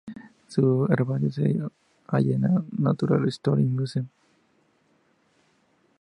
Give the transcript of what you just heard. Su herbario se halla en el Natural History Museum.